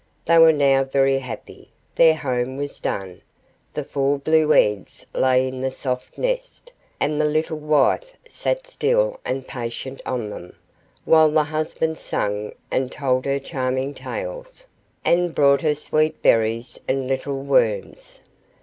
They were now very happy; their home was done, the four blue eggs lay in the soft nest, and the little wife sat still and patient on them, while the husband sang, and told her charming tales, and brought her sweet berries and little worms.